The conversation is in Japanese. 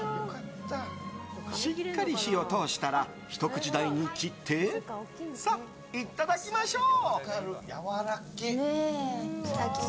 しっかり火を通したらひと口大に切ってさあ、いただきましょう。